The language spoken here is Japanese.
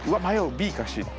ＢかＣだ。